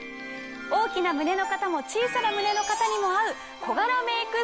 大きな胸の方も小さな胸の方にも合う。